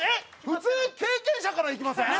普通経験者からいきません？